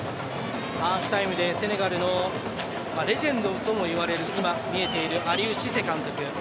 ハーフタイムでセネガルのレジェンドともいわれるアリウ・シセ監督。